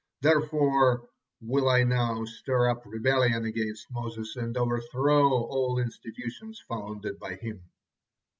Therefore will I now stir up rebellion against Moses, and overthrow all institutions founded by him."